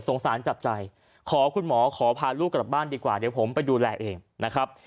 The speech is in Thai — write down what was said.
สารจับใจขอคุณหมอขอพาลูกกลับบ้านดีกว่าเดี๋ยวผมไปดูแลเองนะครับ